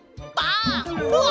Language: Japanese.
うわ！